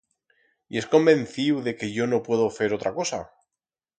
Yes convenciu de que yo no puedo fer otra cosa?